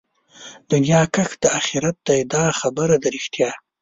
دنيا کښت د آخرت دئ دا خبره ده رښتيا